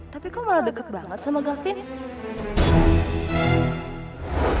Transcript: tapi kok malah deket banget sama gavin